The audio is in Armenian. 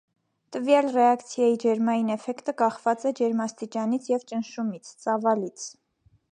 Տվյալ ռեակցիայի ջերմային էֆեկտը կախված է ջերմաստիճանից և ճնշումից (ծավալից)։